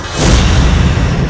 aku mau makan